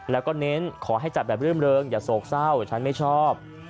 แล้วก็เน้นขอให้จัดแบบรื่มเริงอย่าโศกเศร้าฉันไม่ชอบ